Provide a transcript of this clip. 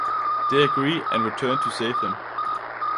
They agree and return to save him.